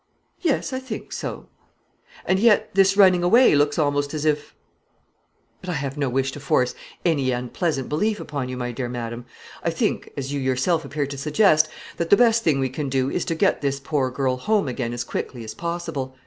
"Yes; I think so." "And yet this running away looks almost as if . But I have no wish to force any unpleasant belief upon you, my dear madam. I think as you yourself appear to suggest that the best thing we can do is to get this poor girl home again as quickly as possible.